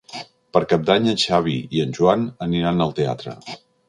Per Cap d'Any en Xavi i en Joan aniran al teatre.